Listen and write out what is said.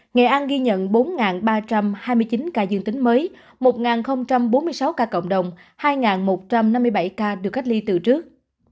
nghệ an ghi nhận bốn ba trăm hai mươi chín ca dương tính mới một bốn mươi sáu ca cộng đồng hai một trăm năm mươi bảy ca được cách ly từ trước